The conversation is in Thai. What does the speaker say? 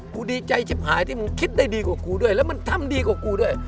กูดีใจชิบหายที่มึงคิดได้ดีกว่ากูด้วยแล้วมันทำดีกว่ากูด้วย